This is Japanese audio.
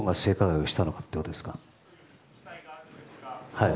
はい。